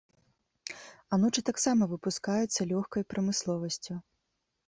Анучы таксама выпускаюцца лёгкай прамысловасцю.